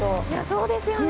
そうですよね。